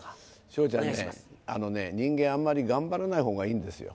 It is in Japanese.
昇ちゃんね人間あんまり頑張らないほうがいいんですよ。